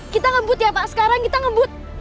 kita ngebut ya pak sekarang kita ngebut